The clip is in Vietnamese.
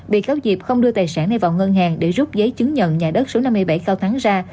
bị cáo diệp không đưa tài sản này vào ngân hàng để rút giấy chứng nhận nhà đất số năm mươi bảy cao thắng ra